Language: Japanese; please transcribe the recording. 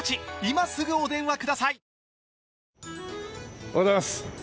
おはようございます。